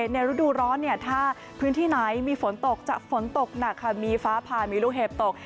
ในฤดูร้อนถ้าพื้นที่ไหนมีฝนตกจะฝนตกหนักค่ะมีฟ้าผ่านมีลูกเห็บตก